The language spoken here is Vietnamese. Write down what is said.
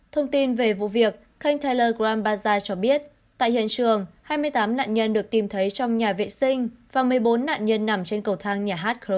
thông tin về vụ việc kênh telegram bazaar cho biết tại hiện trường hai mươi tám nạn nhân được tìm thấy trong nhà vệ sinh và một mươi bốn nạn nhân nằm trên cầu thang nhà hát crocus